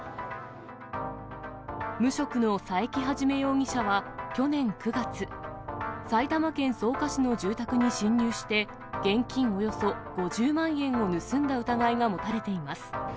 無職の佐伯一容疑者は去年９月、埼玉県草加市の住宅に侵入して、現金およそ５０万円を盗んだ疑いが持たれています。